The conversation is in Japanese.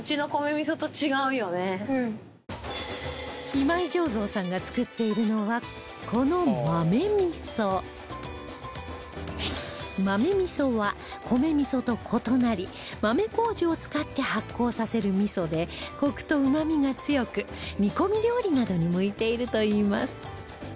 今井醸造さんが作っているのはこの豆味噌は米味噌と異なり豆麹を使って発酵させる味噌でコクとうまみが強く煮込み料理などに向いているといいます